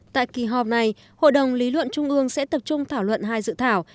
tại kỳ họp này hội đồng lý luận trung ương sẽ tập trung thảo luận hai dự thảo